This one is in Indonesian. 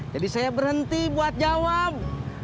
jadi saya berhenti buat jawab